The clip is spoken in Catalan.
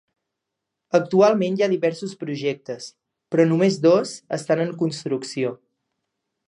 Actualment hi ha diversos projectes, però només dos estan en construcció.